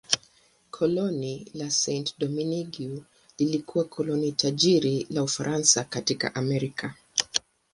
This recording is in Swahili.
Koloni la Saint-Domingue lilikuwa koloni tajiri la Ufaransa katika Amerika.